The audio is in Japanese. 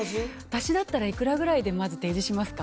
「私だったら幾らぐらいでまず提示しますか？」とか。